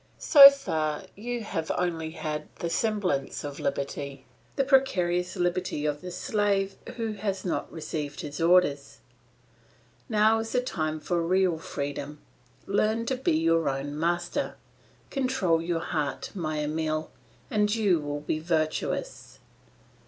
So far you have had only the semblance of liberty, the precarious liberty of the slave who has not received his orders. Now is the time for real freedom; learn to be your own master; control your heart, my Emile, and you will be virtuous.